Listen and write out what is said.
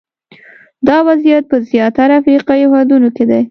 دا وضعیت په زیاتره افریقایي هېوادونو کې دی.